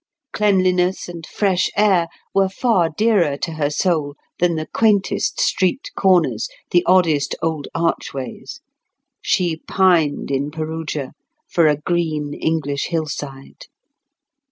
Cleanliness and fresh air were far dearer to her soul than the quaintest street corners, the oddest old archways; she pined in Perugia for a green English hillside.